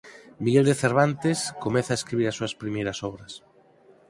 Miguel de Cervantes comeza a escribir as súas primeiras obras.